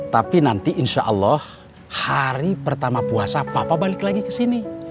tapi nanti insya allah hari pertama puasa papa balik lagi ke sini